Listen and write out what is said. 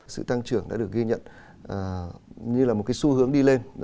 sự tăng trưởng đã được ghi nhận như là một cái xu hướng đi lên